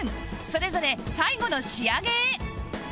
それぞれ最後の仕上げへ